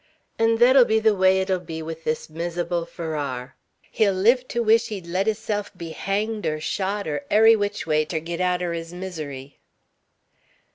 'N' thet'll be the way 't 'll be with this miser'ble Farrar. He'll live ter wish he'd let hisself be hanged er shot, er erry which way, ter git out er his misery."